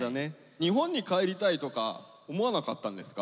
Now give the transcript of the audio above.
日本に帰りたいとか思わなかったんですか？